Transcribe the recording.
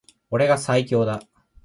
俺が最強だ